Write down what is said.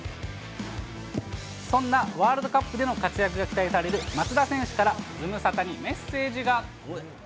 そんなワールドカップでの活躍が期待される松田選手から、ズムサタにメッセージが。